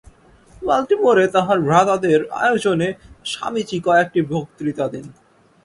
বাল্টিমোরে তাঁহার ভ্রাতাদের আয়োজনে স্বামীজী কয়েকটি বক্তৃতা দেন।